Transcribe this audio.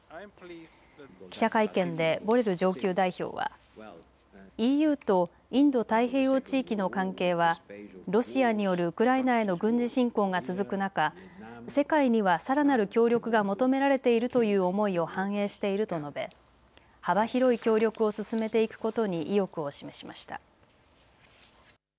記者会見でボレル上級代表はＥＵとインド太平洋地域の関係はロシアによるウクライナへの軍事侵攻が続く中、世界にはさらなる協力が求められているという思いを反映していると述べ幅広い協力を進めていくことに意欲を示しました。